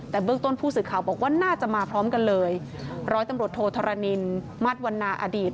แต่เบื้องต้นผู้สื่อข่าวบอกว่าน่าจะมาพร้อมกันเลยร้อยตำรวจโทษธรณินมาตรวันนาอดีต